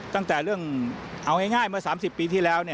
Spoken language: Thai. ตั้งแต่เรื่องเอาง่ายเมื่อ๓๐ปีที่แล้ว